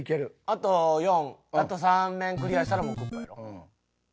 あと４あと３面クリアしたらもうクッパやろ。